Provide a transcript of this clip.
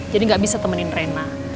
jadi gak bisa temenin rena